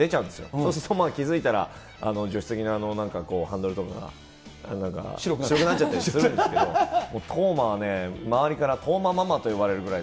そうすると、気付いたら、助手席のハンドルとかが白くなっちゃったりするんですけど、もう斗真はね、周りから斗真ママといわれるぐらい。